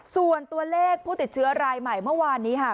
ส่วนตัวเลขผู้ติดเชื้อรายใหม่เมื่อวานนี้ค่ะ